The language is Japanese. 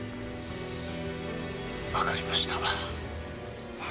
わかりました。